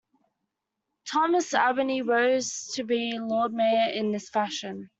Thomas Abney rose to be Lord Mayor in this fashion.